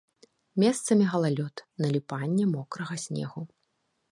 Месцамі галалёд, наліпанне мокрага снегу.